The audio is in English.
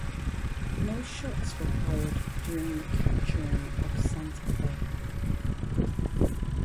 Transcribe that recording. No shots were fired during the capturing of Santa Fe.